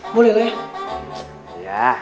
boleh lah ya